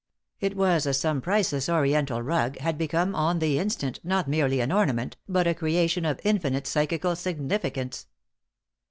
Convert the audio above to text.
It was as some priceless Oriental rug had become on the instant not merely an ornament, but a creation of infinite psychical significance.